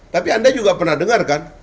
tapi anda juga pernah dengar kan